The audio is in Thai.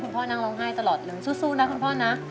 พ่อนั่งร้องไห้ตลอดเลยสู้นะคุณพ่อนะ